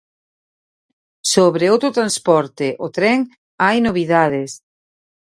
Sobre outro transporte, o tren, hai novidades.